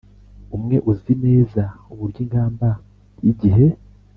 Umwe uzi neza uburyo ingamba y igihe